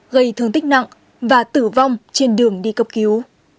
gây thương tích nặng và tử vong trên đường đi cấp cứu